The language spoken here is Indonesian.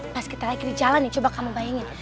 pas kita lagi di jalan ya coba kamu bayangin